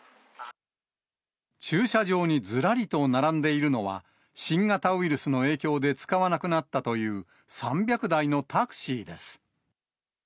駐車場にずらりと並んでいるのは、新型ウイルスの影響で使わなくなったという、３００台のタクシーです。